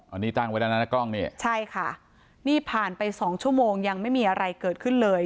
อันนี้ตั้งไว้แล้วนะกล้องนี่ใช่ค่ะนี่ผ่านไปสองชั่วโมงยังไม่มีอะไรเกิดขึ้นเลย